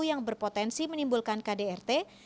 yang berpotensi menimbulkan kdrt